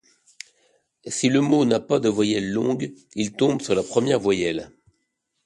Si le mot n'a pas de voyelle longue, il tombe sur la première voyelle.